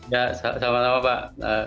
ya selamat malam pak